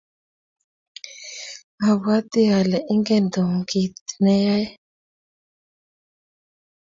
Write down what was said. abwatii ale ingen Tom kito neyoe.